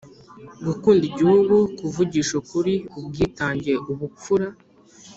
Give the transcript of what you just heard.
gukunda igihugu, kuvugisha ukuri, ubwitange, ubupfura